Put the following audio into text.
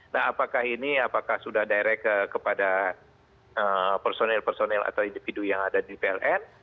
nah apakah ini apakah sudah direct kepada personel personel atau individu yang ada di pln